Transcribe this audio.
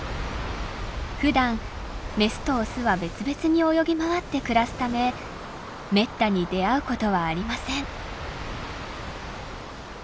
ふだんメスとオスは別々に泳ぎ回って暮らすためめったに出会うことはありません。